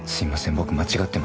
僕間違ってました」